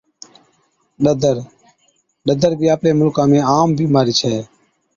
ڏَدر Ring worms، ڏَدر بِي آپلي مُلڪا ۾ هيڪ عام بِيمارِي ڇَي